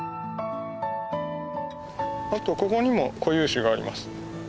あとここにも固有種があります。